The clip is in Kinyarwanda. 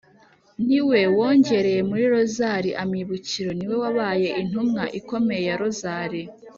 niwe wongereye muri rozali amibukiro niwe wabaye intumwa ikomeye ya rozali